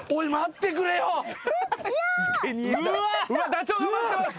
ダチョウが待ってます。